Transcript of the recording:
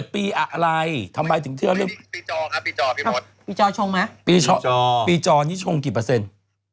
ปีจอปีจอนี่ชงกี่เปอร์เซ็นต์